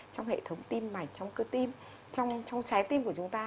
trong hệ thống tim mạch trong cơ tim trong trái tim của chúng ta